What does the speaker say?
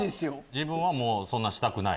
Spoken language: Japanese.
自分はそんなしたくない？